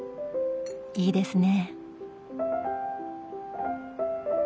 いいですね。